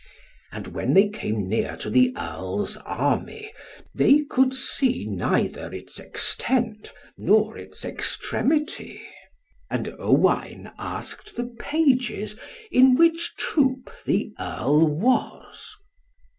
And when they came near to the Earl's army, they could see neither its extent, nor its extremity. And Owain asked the pages in which troop the Earl was.